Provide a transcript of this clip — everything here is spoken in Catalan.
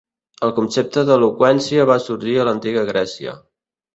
El concepte d'eloqüència va sorgir a l'antiga Grècia.